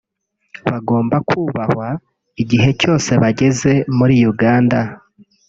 bagomba kubahwa igihe cyose bageze muri Uganda